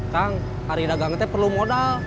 kang hari dagang itu perlu modal